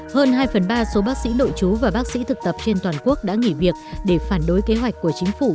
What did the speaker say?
hơn hai phần ba số bác sĩ nội chú và bác sĩ thực tập trên toàn quốc đã nghỉ việc để phản đối kế hoạch của chính phủ